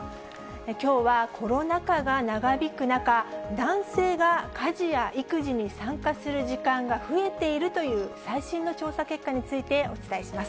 きょうはコロナ禍が長引く中、男性が家事や育児に参加する時間が増えているという最新の調査結果について、お伝えします。